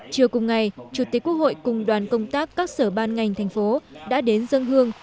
chiều cùng ngày chủ tịch quốc hội cùng đoàn công tác các sở ban ngành thành phố đã đến dân hương